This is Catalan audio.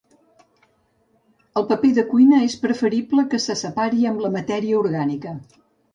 El paper de cuina és preferible que se separi amb la matèria orgànica.